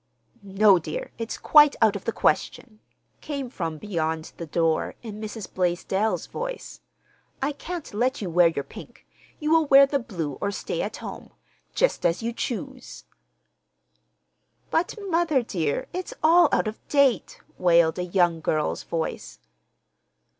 "No, dear, it's quite out of the question," came from beyond the door, in Mrs. Blaisdell's voice. "I can't let you wear your pink. You will wear the blue or stay at home. Just as you choose." "But, mother, dear, it's all out of date," wailed a young girl's voice.